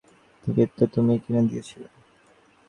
Ticket তো তুমিই কিনে দিয়েছিলে।